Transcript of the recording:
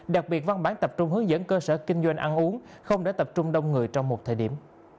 đặc biệt văn bản tập trung hướng dẫn cơ sở kinh doanh ăn uống không để tập trung đông người trong một thời điểm